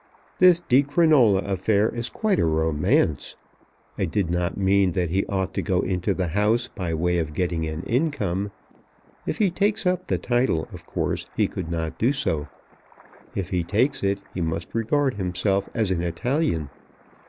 This Di Crinola affair is quite a romance. I did not mean that he ought to go into the House by way of getting an income. If he takes up the title of course he could not do so. If he takes it, he must regard himself as an Italian.